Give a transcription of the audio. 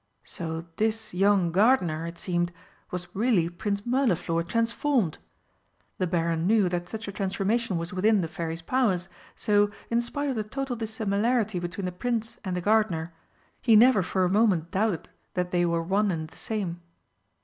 So this young gardener, it seemed, was really Prince Mirliflor transformed! The Baron knew that such a transformation was within the Fairy's powers, so, in spite of the total dissimilarity between the Prince and the Gardener, he never for a moment doubted that they were one and the same.